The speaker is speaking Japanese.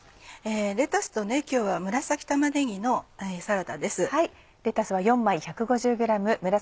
レタスと今日は紫玉ねぎのサラダです。